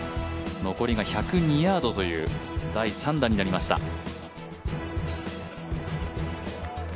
残りが１０２ヤードという第３打となりました。